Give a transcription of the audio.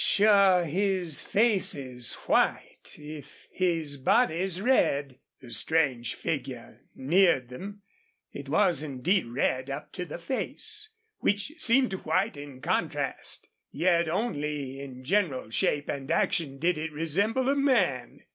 "Sure his face is white, if his body's red!" The strange figure neared them. It was indeed red up to the face, which seemed white in contrast. Yet only in general shape and action did it resemble a man.